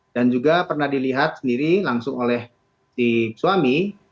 dan juga pernah dilihat sendiri langsung oleh si suami